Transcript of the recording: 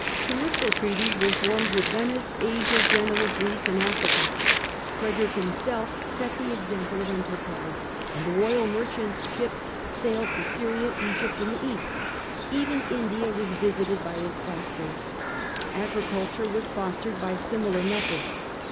Commercial treaties were formed with Venice, Asia, Genoa, Greece and Africa. Frederick himself set the example of enterprise, and the royal merchant ships sailed to Syria, Egypt and the East : even India was visited by his factors. Agricul ture was fostered by similar methods.